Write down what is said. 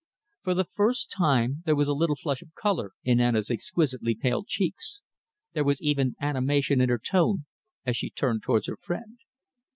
For the first time there was a little flush of colour in Anna's exquisitely pale cheeks. There was even animation in her tone as she turned towards her friend.